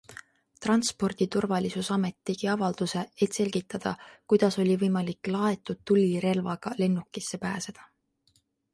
Transporditurvalisusamet tegi avalduse, et selgitada, kuidas oli võimalik laetud tulirelvaga lennukisse pääseda.